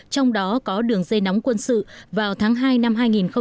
trong đó có đường dây nóng quân sự vào tháng hai năm hai nghìn một mươi sáu